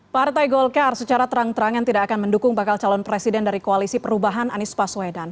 partai golkar secara terang terangan tidak akan mendukung bakal calon presiden dari koalisi perubahan anies baswedan